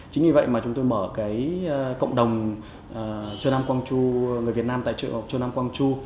chính vì vậy chúng tôi mở cộng đồng người việt nam tại trường học trường nam quang chu